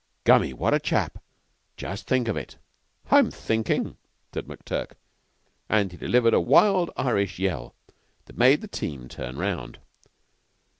"Gummy, what a chap! Just think of it!" "I'm thinking," said McTurk; and he delivered a wild Irish yell that made the team turn round.